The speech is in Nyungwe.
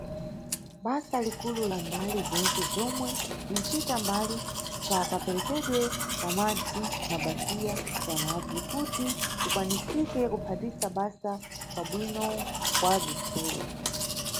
Basa likulu la mbali zentse zomwe zinʼcita mbali pa kaperekedwe ka madzi mʼmabasiya ya madzi, kuti kukwanisike kuphatisa basa kwa bwino kwa bzitsulo.